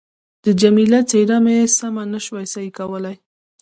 د جميله څېره مې سمه نه شوای صحیح کولای.